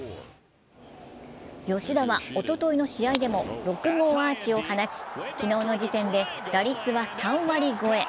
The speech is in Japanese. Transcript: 吉田は、おとといの試合でも６号アーチを放ち昨日の時点で打率は３割超え。